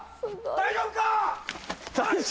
大丈夫か？